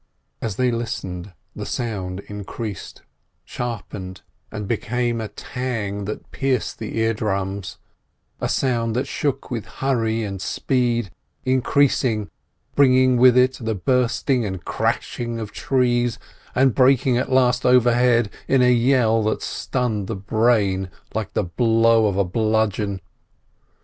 As they listened the sound increased, sharpened, and became a tang that pierced the ear drums: a sound that shook with hurry and speed, increasing, bringing with it the bursting and crashing of trees, and breaking at last overhead in a yell that stunned the brain like the blow of a bludgeon.